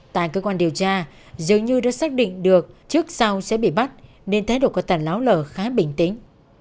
tại cơ quan điều tra dường như đã xác định được trước sau sẽ bị bắt nên thái độ có tàn láo lở khá bình tĩnh